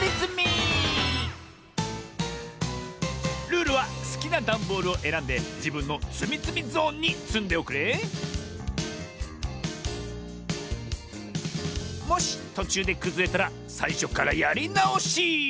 ルールはすきなダンボールをえらんでじぶんのつみつみゾーンにつんでおくれもしとちゅうでくずれたらさいしょからやりなおし。